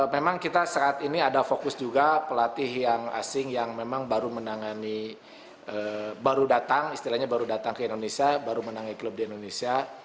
memang kita saat ini ada fokus juga pelatih yang asing yang memang baru menangani baru datang istilahnya baru datang ke indonesia baru menangi klub di indonesia